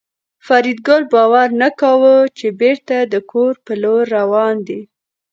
فریدګل باور نه کاوه چې بېرته د کور په لور روان دی